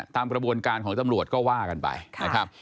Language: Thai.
ตามกระบวนการของตำรวจก็ว่ากันไปนะครับ